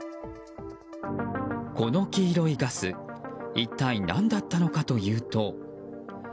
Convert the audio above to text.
この黄色いガス一体なんだったのかというと。